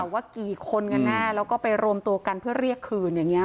ว่ากี่คนกันแน่แล้วก็ไปรวมตัวกันเพื่อเรียกคืนอย่างนี้